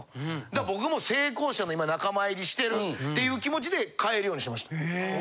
だから僕も成功者の今仲間入りしてるっていう気持ちで帰るようにしてました。